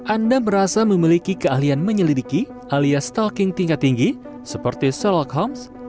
anda merasa memiliki keahlian menyelidiki alias stalking tingkat tinggi seperti sherlock holmes